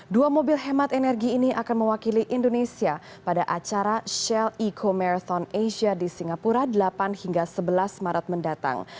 dua mobil hemat energi ini akan mewakili indonesia pada acara shell eco marathon asia di singapura delapan hingga sebelas maret mendatang